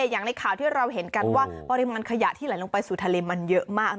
อย่างในข่าวที่เราเห็นกันว่าปริมาณขยะที่ไหลลงไปสู่ทะเลมันเยอะมาก